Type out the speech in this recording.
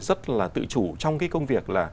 rất tự chủ trong công việc